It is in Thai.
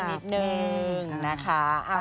นิดนึงนะคะ